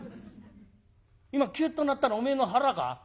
今キュッと鳴ったのおめえの腹か？